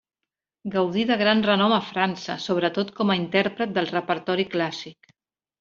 Gaudi de gran renom a França, sobretot com a intèrpret del repertori clàssic.